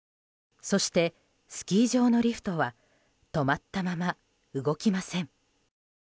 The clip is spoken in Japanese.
そして、スキー場のリフトは止まったまま動きません。